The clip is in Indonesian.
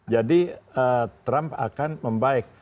jadi trump akan membaik